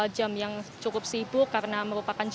jam yang cukup sibuk karena merupakan jamin